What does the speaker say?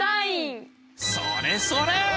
それそれ！